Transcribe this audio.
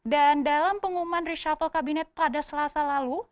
dan dalam pengumuman reshuffle kabinet pada selasa lalu